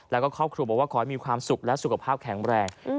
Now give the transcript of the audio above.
เขาขึ้นมาก็บอกว่าคอยส์มีความสุขและสุขภาพแข็งแรง